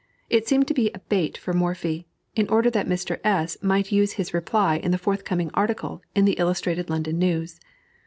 It seemed to be a bait for Morphy, in order that Mr. S. might use his reply in the forthcoming article in the Illustrated London News.